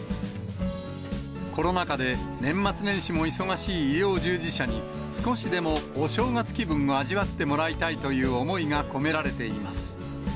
コロナ禍で、年末年始も忙しい医療従事者に、少しでもお正月気分を味わってもらいたいという思いが込められています。